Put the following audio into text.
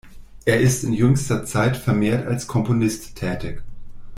Er ist in jüngster Zeit vermehrt als Komponist tätig.